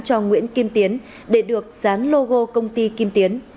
cho nguyễn kim tiến để được dán logo công ty kim tiến